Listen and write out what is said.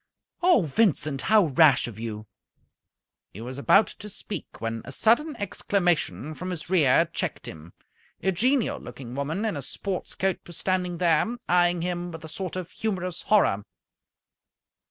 "Oh, Vincent, how rash of you!" He was about to speak, when a sudden exclamation from his rear checked him. A genial looking woman in a sports coat was standing there, eyeing him with a sort of humorous horror.